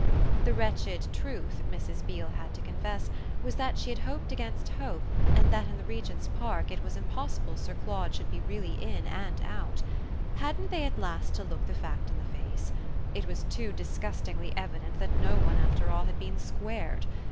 The wretched truth, Mrs. Beale had to confess, was that she had hoped against hope and that in the Regent's Park it was impossible Sir Claude should really be in and out. Hadn't they at last to look the fact in the face? it was too disgustingly evident that no one after all had been squared.